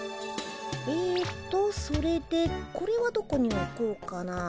えっとそれでこれはどこにおこうかな。